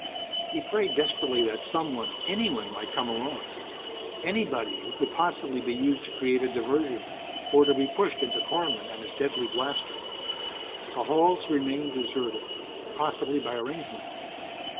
He prayed desperately that someone anyone might come along. Anybody who could possibly be used to create a diversion, or to be pushed into Korman and his deadly blaster. The halls remained deserted, possibly by arrangement.